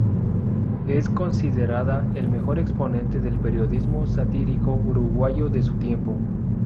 Es considerada el mejor exponente del periodismo satírico uruguayo de su tiempo.